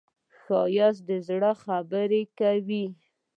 ښایست د زړه خبرې کوي